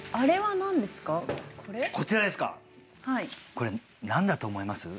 これ何だと思います？